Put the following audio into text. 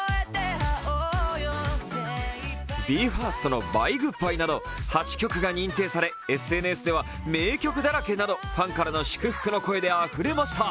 ＢＥ：ＦＩＲＳＴの「Ｂｙｅ−Ｇｏｏｄ−Ｂｙｅ」など８曲が認定され、ＳＮＳでは、名曲だらけ！などファンからの祝福の声であふれました。